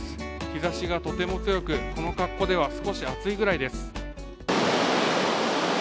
日ざしがとても強く、この格好では少し暑いぐらいです。